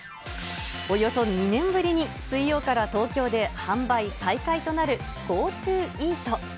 およそ２年ぶりに、水曜から東京で販売再開となるＧｏＴｏイート。